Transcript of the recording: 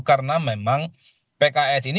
karena memang pks ini